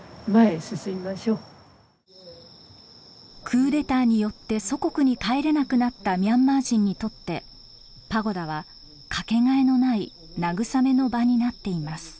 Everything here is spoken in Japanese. クーデターによって祖国に帰れなくなったミャンマー人にとってパゴダはかけがえのない慰めの場になっています。